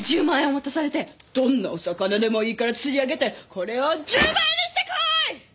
１０万円渡されて「どんなオサカナでもいいから釣り上げてこれを１０倍にしてこーい！」